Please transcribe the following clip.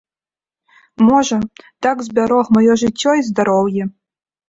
Можа, так збярог маё жыццё і здароўе.